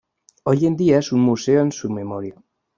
Hoy en día es un museo en su memoria.